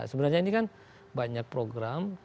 sebenarnya ini kan banyak program